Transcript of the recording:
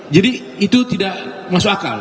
jadi itu tidak masuk akal